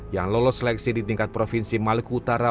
yang lolos seleksi di tingkat provinsi maluku utara